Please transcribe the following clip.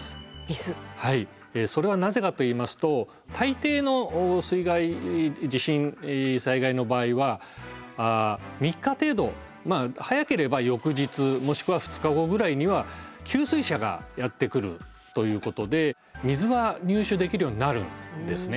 それはなぜかといいますと大抵の水害地震災害の場合は３日程度早ければ翌日もしくは２日後ぐらいには給水車がやって来るということで水は入手できるようになるんですね。